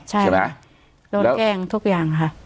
ใช่ไหมโดนแกล้งทุกอย่างค่ะ